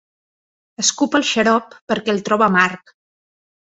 Escup el xarop perquè el troba amarg.